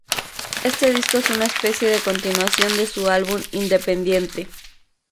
Este disco es una especie de continuación de su álbum "Independiente".